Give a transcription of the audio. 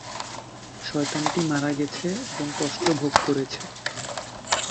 শয়তানটি মারা গেছে এবং কষ্ট ভোগ করেছে।